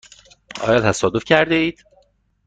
آیا تصادف کرده اید؟